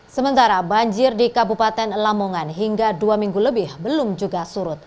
sementara banjir di kabupaten lamongan hingga dua minggu lebih belum juga surut